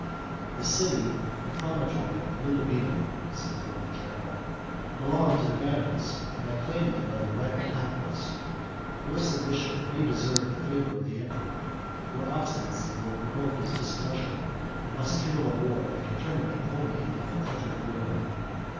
"The city and promontory of Lilybæum," said the Roman general, "belonged to the Vandals, and I claim them by the right of conquest. Your submission may deserve the favor of the emperor; your obstinacy will provoke his displeasure, and must kindle a war, that can terminate only in your utter ruin.